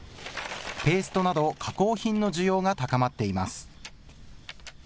ペーストなど加工品の需要が高まっています。